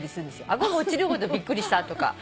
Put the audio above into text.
「あごが落ちるほどびっくりした」とか。